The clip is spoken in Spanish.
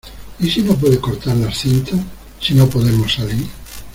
¿ y si no puede cortar las cintas, si no podemos salir?